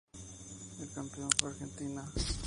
El campeón fue Argentina.